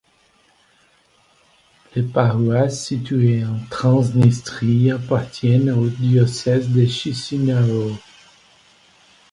Les paroisses situées en Transnistrie appartiennent au diocèse de Chisinau.